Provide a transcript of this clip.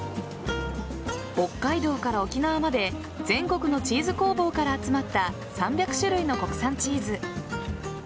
北海道から沖縄まで全国のチーズ工房から集まった３００種類の国産チーズ。